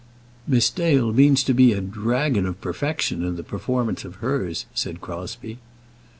"Miss Dale means to be a dragon of perfection in the performance of hers," said Crosbie.